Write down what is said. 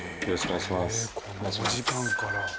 このお時間から。